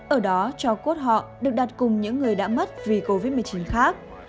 ở đó cho cốt họ được đặt cùng những người đã mất vì covid một mươi chín khác